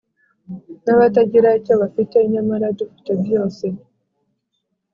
N abatagira icyo bafite nyamara dufite byose